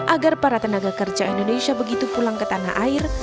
agar para tenaga kerja indonesia begitu pulang ke tanah air